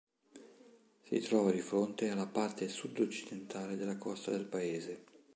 Si trova di fronte alla parte sudoccidentale della costa del paese.